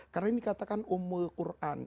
karena ini dikatakan umul qur'an